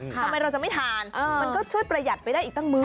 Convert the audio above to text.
ทำไมเราจะไม่ทานมันก็ช่วยประหยัดไปได้อีกตั้งมื้อ